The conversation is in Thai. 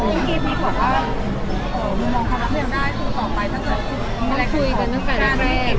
เพียงกี้พี่บอกว่ามองคำเลี่ยงได้เศคสอบไป